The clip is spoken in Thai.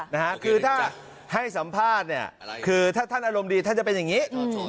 นะฮะคือถ้าให้สัมภาษณ์เนี่ยคือถ้าท่านอารมณ์ดีท่านจะเป็นอย่างนี้